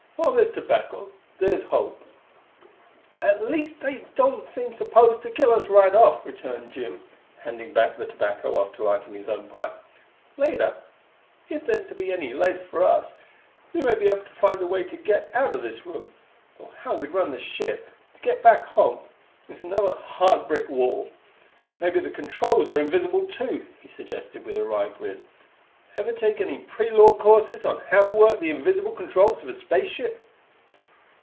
"While there's tobacco there's hope." "At least they don't seem disposed to kill us right off," returned Jim, handing back the tobacco after lighting his own pipe. "Later if there's to be any 'later' for us we may be able to find a way to get out of this room; though how we'd run the ship, to get back home, is another hard brick wall.... Maybe the controls are invisible, too!" he suggested with a wry grin. "Ever take any pre law courses on how to work the invisible controls of a space ship?"